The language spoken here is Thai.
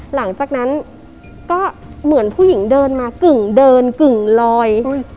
หลังจากนั้นก็เหมือนผู้หญิงเดินมากึ่งเดินกึ่งลอย